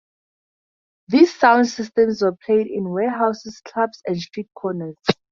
These sound systems were played in warehouses, clubs, and street corners.